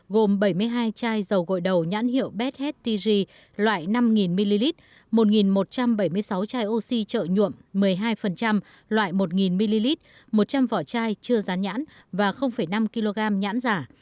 gồm bảy mươi hai chai dầu gội đầu nhãn hiệu beth tg loại năm ml một một trăm bảy mươi sáu chai oxy trợ nhuộm một mươi hai loại một ml một trăm linh vỏ chai chưa rán nhãn và năm kg nhãn giả